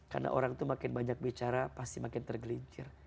karena orang itu makin banyak bicara pasti makin tergelincir